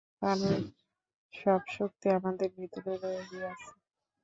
কারণ সব শক্তি আমাদের ভিতরে রহিয়াছে।